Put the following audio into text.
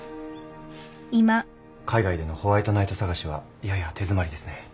海外でのホワイトナイト探しはやや手詰まりですね。